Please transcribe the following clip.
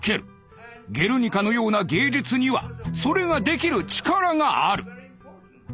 「ゲルニカ」のような芸術にはそれができる力がある。